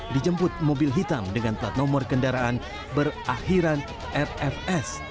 dijemput mobil hitam dengan plat nomor kendaraan berakhiran rfs